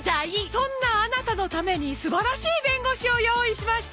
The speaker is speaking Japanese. そんなアナタのために素晴らしい弁護士を用意しました